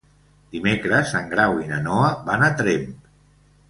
Dimecres en Grau i na Noa van a Tremp.